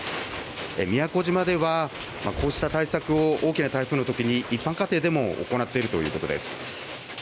宮古島では、こうした対策を大きな台風のときに一般家庭でも行っているということです。